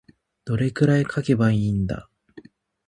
どれくらい書けばいいんだ。